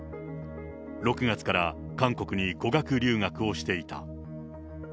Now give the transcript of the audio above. ６月から韓国に語学留学をしていた。